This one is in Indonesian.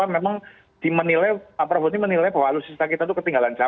memang menilai pak prabowo ini menilai bahwa alutsisa kita itu ketinggalan